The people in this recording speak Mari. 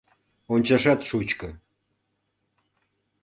Ончашат шучко!